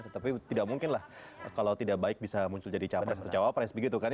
tetapi tidak mungkin lah kalau tidak baik bisa muncul jadi capres atau cawapres begitu kan ya